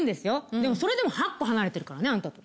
でもそれでも８個離れてるからねアンタと。